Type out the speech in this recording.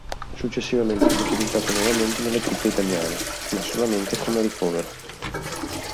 Successivamente fu utilizzato nuovamente dalle truppe italiane, ma solamente come ricovero.